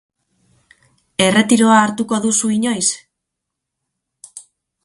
Erretiroa hartuko duzu inoiz?